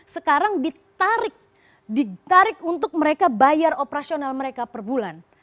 sekarang ditarik untuk mereka bayar operasional mereka per bulan